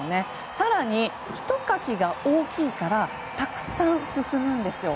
更にひとかきが大きいからたくさん進むんですよ。